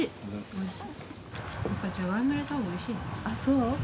あっそう？